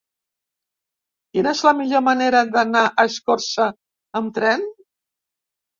Quina és la millor manera d'anar a Escorca amb tren?